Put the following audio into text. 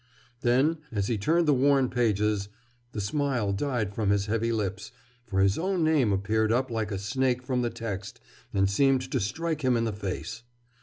Then, as he turned the worn pages, the smile died from his heavy lips, for his own name leaped up like a snake from the text and seemed to strike him in the face.